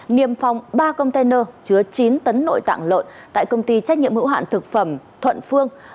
niêm phong ba container chứa chín tấn nội tạng lợn tại công ty trách nhiệm hữu hạn thực phẩm thuận phương